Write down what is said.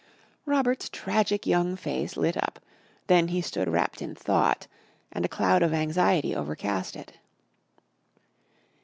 Robert's tragic young face lit up, then he stood wrapt in thought, and a cloud of anxiety overcast it.